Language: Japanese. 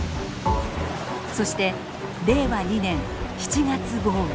そして令和２年７月豪雨。